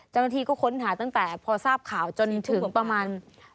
เจ้าหน้าที่ก็ค้นหาตั้งแต่พอทราบข่าวจนถึงประมาณ